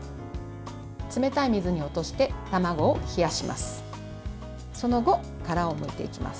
冷たい水に落として卵を冷やします。